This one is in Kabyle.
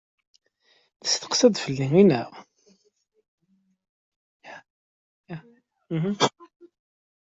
Teskerkseḍ fell-i, naɣ?